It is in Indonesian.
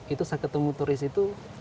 itu saya ketemu turis itu